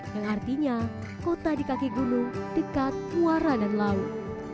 yang artinya kota di kaki gunung dekat muara dan laut